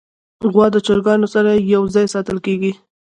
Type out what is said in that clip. غوا د چرګانو سره یو ځای ساتل کېږي.